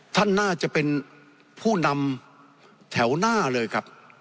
ท่านน่าจะเป็นผู้นำแถวหน้าเลยครับ